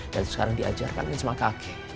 dan sekarang diajarkan sama kakek